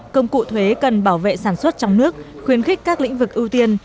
công cụ thuế cần bảo vệ sản xuất trong nước khuyến khích các lĩnh vực ưu tiên